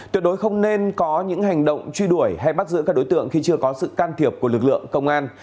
tuyệt đối không nên có những hành động truy đuổi hay bắt giữ các đối tượng khi chưa có sự can thiệp của lực lượng công an